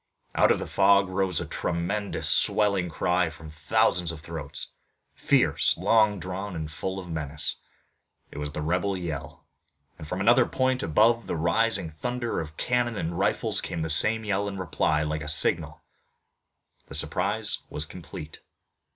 Out of the fog rose a tremendous swelling cry from thousands of throats, fierce, long drawn, and full of menace. It was the rebel yell, and from another point above the rising thunder of cannon and rifles came the same yell in reply, like a signal. The surprise was complete.